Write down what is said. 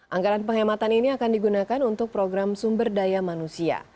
anggaran penghematan ini akan digunakan untuk program sumber daya manusia